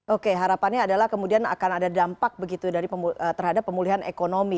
oke harapannya adalah kemudian akan ada dampak begitu terhadap pemulihan ekonomi